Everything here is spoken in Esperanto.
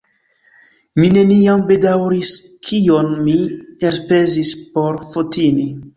Mi neniam bedaŭris, kion mi elspezis por Fotini.